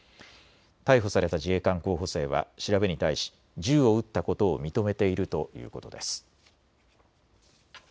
逮捕された自衛官候補生は調べに対し、銃を撃ったことを認めているということです。